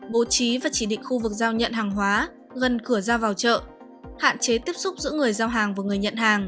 bố trí và chỉ định khu vực giao nhận hàng hóa gần cửa ra vào chợ hạn chế tiếp xúc giữa người giao hàng và người nhận hàng